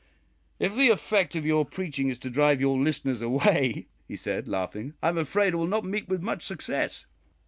"If the effect of your preaching is to drive your listeners away," he said, laughing, "I am afraid it will not meet with much success."